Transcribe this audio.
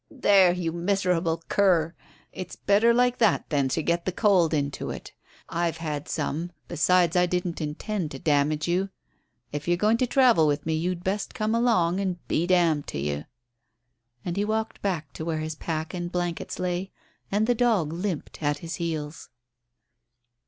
"There, you miserable cur. It's better like that than to get the cold into it. I've had some; besides, I didn't intend to damage you. If you're going to travel with me you'd best come along, and be d d to you." And he walked back to where his pack and blankets lay, and the dog limped at his heels.